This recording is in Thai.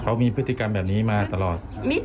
ก็จิ๊ปเป้นแชงที่ตลอด